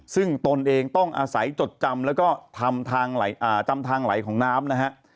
ซึ่งตนเองต้องอาศัยจดจำแล้วก็ทำจำทางไหลของน้ำนะฮะ